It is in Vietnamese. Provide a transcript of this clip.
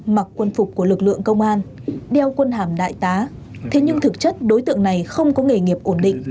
mặc quân phục của lực lượng công an đeo quân hàm đại tá thế nhưng thực chất đối tượng này không có nghề nghiệp ổn định